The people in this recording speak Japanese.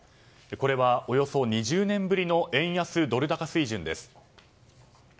これは、およそ２０年ぶりの円安ドル高水準です。